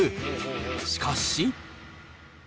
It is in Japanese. しかし。